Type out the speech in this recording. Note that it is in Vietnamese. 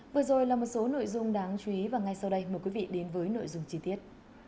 vừa rồi là một số nội dung đáng chú ý và ngay sau đây mời quý vị đến với nội dung chi tiết